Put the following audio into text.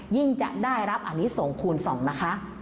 จะได้รับอันนี้ส่งคูณ๒นะคะ